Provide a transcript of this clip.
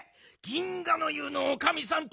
銀河の湯のおかみさん